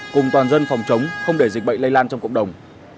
cùng toàn dân phòng chống không để dịch bệnh lây lan trong cộng đồng